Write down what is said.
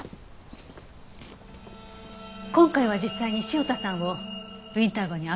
今回は実際に潮田さんをウィンター号に会わせてみます。